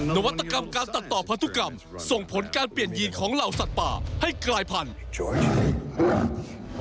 นวัตกรรมการตัดต่อพันธุกรรมส่งผลการเปลี่ยนยีนของเหล่าสัตว์ป่าให้กลายพันธุ์